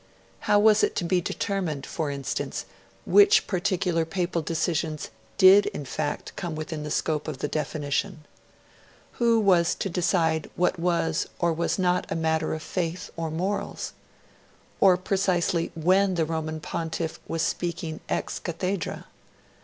How was it to be determined, for instance, which particular Papal decisions did in fact come within the scope of the definition? Who was to decide what was or was not a matter of faith or morals? Or precisely WHEN the Roman Pontiff was speaking ex cathedra?